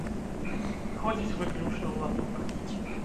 Ходзіць выключна ў латок.